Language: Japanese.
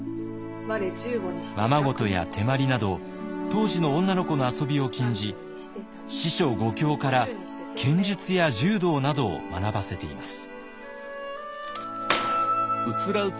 ままごとや手まりなど当時の女の子の遊びを禁じ四書五経から剣術や柔道などを学ばせています。